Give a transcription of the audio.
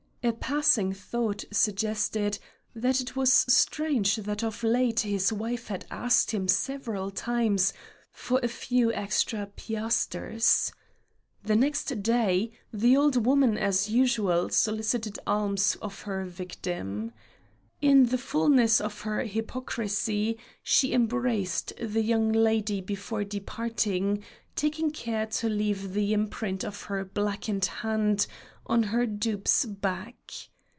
A passing thought suggested that it was strange that of late his wife had asked him several times for a few extra piasters. The next day, the old woman as usual solicited alms of her victim. In the fulness of her hypocrisy she embraced the young lady before departing, taking care to leave the imprint of her blackened hand on her dupe's back.